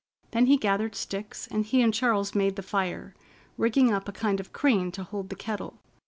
Then he gathered sticks, and he and Charles made the fire, rigging up a kind of crane to hold the kettle.